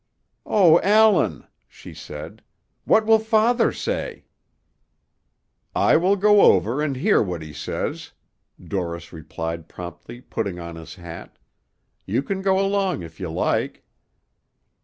"O Allan!" she said. "What will father say?" "I will go over and hear what he says," Dorris replied promptly, putting on his hat. "You can go along if you like."